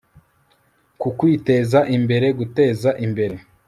ku kwiteza imbere, guteza imbere